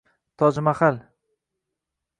Tojmahal.